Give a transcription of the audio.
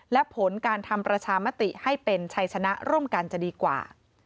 และผลการทำประชามติให้เป็นชัยชนะร่วมกันจะดีกว่า